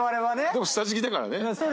でも下敷きだからね。